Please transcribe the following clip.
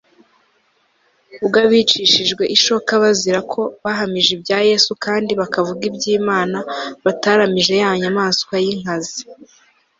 bw abicishijwe ishoka bazira ko bahamije ibya Yesu kandi bakavuga iby Imana bataramije ya nyamaswa y inkazi o